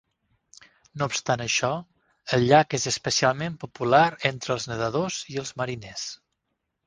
No obstant això, el llac és especialment popular entre els nedadors i els mariners.